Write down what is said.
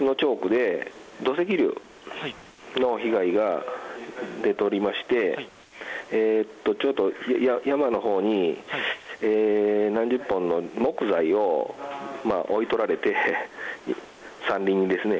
土石流の被害が出ておりましてちょっと、山のほうに何十本もの木材をおい取られて山林ですね